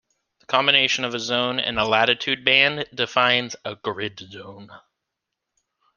The combination of a zone and a latitude band defines a grid zone.